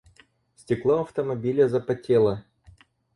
Стекло автомобиля запотело.